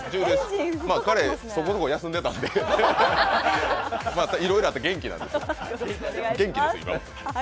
彼そこでも休んでたんでいろいろあって元気なんです、今は元気です。